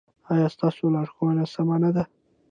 ایا ستاسو لارښوونه سمه نه ده؟